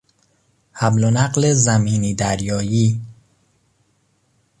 حمل و نقل زمینی دریایی